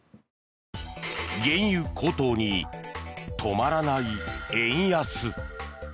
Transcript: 原油高騰に、止まらない円安。